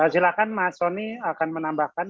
silahkan mas soni akan menambahkan